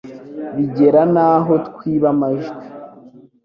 bigera n'aho twiba amajwi